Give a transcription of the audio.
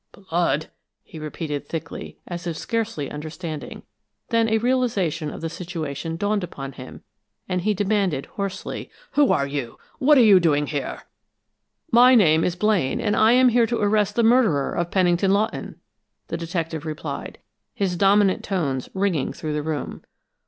"Blood?" he repeated, thickly, as if scarcely understanding. Then a realization of the situation dawned upon him, and he demanded, hoarsely: "Who are you? What are you doing here?" "My name is Blaine, and I am here to arrest the murderer of Pennington Lawton," the detective replied, his dominant tones ringing through the room.